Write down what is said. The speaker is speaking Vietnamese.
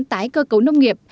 tái cơ cấu nông nghiệp